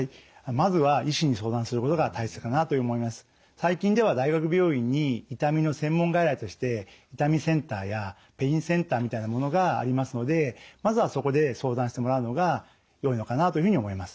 最近では大学病院に痛みの専門外来として痛みセンターやペインセンターみたいなものがありますのでまずはそこで相談してもらうのがよいのかなというふうに思います。